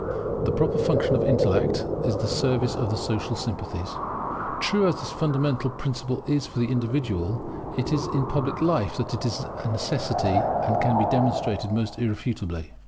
[The proper function of Intellect is the Service of the Social Sympathies] True as this fundamental principle is for the individual, it is in public life that its necessity can be demonstrated most irrefutably.